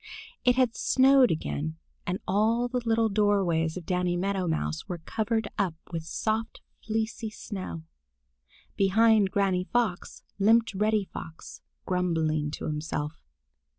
It had snowed again, and all of the little doorways of Danny Meadow Mouse were covered up with soft, fleecy snow. Behind Granny Fox limped Reddy Fox, grumbling to himself.